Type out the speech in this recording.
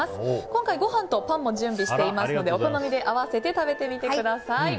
今回、ご飯とパンも準備していますのでお好みで合わせて食べてみてください。